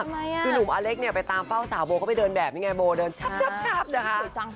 คือหนุ่มอเล็กเนี่ยไปตามเป้าสาวโบเข้าไปเดินแบบนี้ไงโบเดินชับนะคะ